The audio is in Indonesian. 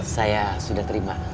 saya sudah terima